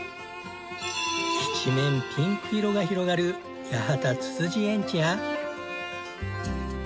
一面ピンク色が広がる八幡つつじ園地や。